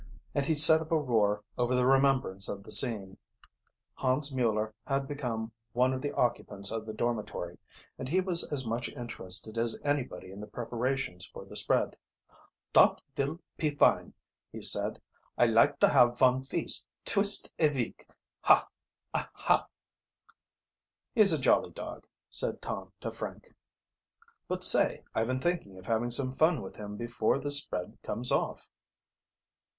and he set up a roar over the remembrance of the scene. Hans Mueller had become one of the occupants of the dormitory, and he was as much, interested as anybody in the preparations for the spread. "Dot vill pe fine!" he said. "I like to have von feast twist a veek, ha I ha! "He's a jolly dog," said Tom to Frank. "But, say, I've been thinking of having some fun with him before this spread comes off."